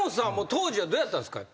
当時はどうやったんですか？